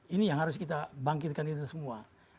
ini yang harus kita bangkitkan kita semua